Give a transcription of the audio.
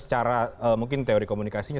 secara mungkin teori komunikasinya